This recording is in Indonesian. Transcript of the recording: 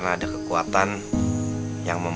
oh ya emang men